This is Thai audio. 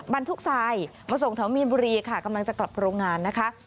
บรรทุกทรายมาส่งแถวมีนบุรีค่ะกำลังจะกลับโรงงานนะคะ